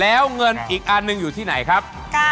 แล้วเงินอีกอันหนึ่งอยู่ที่ไหนครับ